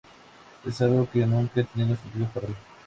Es algo que nunca ha tenido sentido para mí.